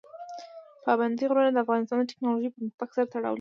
پابندی غرونه د افغانستان د تکنالوژۍ پرمختګ سره تړاو لري.